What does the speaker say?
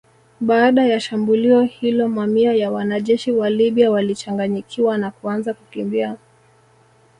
Baada ya shambulio hilo mamia ya wanajeshi wa Libya walichanganyikiwa na kuanza kukimbia